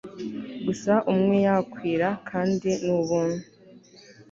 gusa umwe yakwira, kandi nubuntu